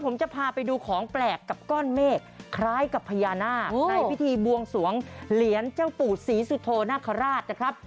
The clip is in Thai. ผมจะพาไปดูของแปลกกับก้อนเมฆคล้ายกับพญานาคในพิธีบวงสวงเหรียญเจ้าปู่ศรีสุโธนาคาราชนะครับ